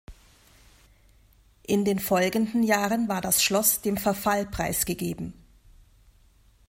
In den folgenden Jahren war das Schloss dem Verfall preisgegeben.